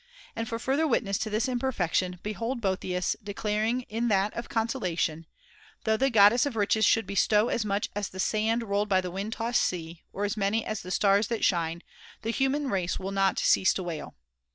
And for further witness to this im perfection behold Boethius declaring in that of Consolation :' Though the goddess of riches should bestow as much as the sand rolled by the wind tossed sea, or as many as the stars that shine, the human race will not cease to wail.'